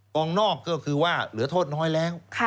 กองนอกก็คือว่าเหลือโทษน้อยแล้ว